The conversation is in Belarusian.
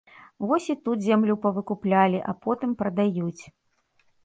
Вось і тут зямлю павыкуплялі, а потым прадаюць.